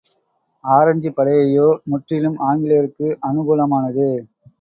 ஆரஞ்சுப் படையையோ, முற்றிலும் ஆங்கிலேயருக்கு அநுகூலமானது.